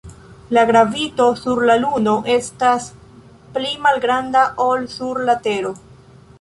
La gravito sur la Luno estas pli malgranda ol sur la Tero.